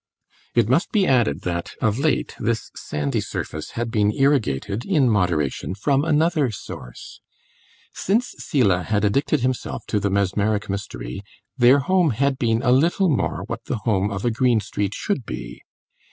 It must be added that, of late, this sandy surface had been irrigated, in moderation, from another source. Since Selah had addicted himself to the mesmeric mystery, their home had been a little more what the home of a Greenstreet should be.